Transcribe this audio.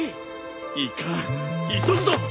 いかん急ぐぞ！